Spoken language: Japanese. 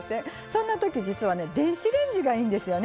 そんなとき実は電子レンジがいいんですよね。